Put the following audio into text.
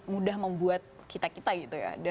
mudah membuat kita kita gitu ya